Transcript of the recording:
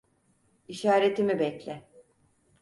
İşaretimi bekle.